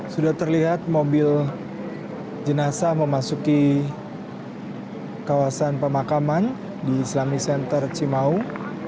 sudah terlihat mobil jenazah memasuki kawasan pemakaman di islami center cimaung